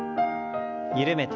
緩めて。